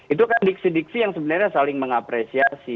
itu kan diksi diksi yang sebenarnya saling mengapresiasi